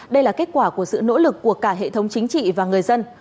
đây là kết quả của sự nỗ lực của cả hệ thống chính trị và người dân